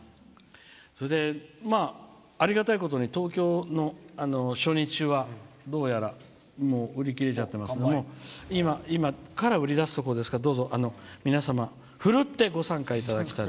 それで、ありがたいことに東京の初日はどうやら、もう売り切れちゃったんですけど今から売り出すところですからどうぞ、皆様ふるってご参加いただきたいと。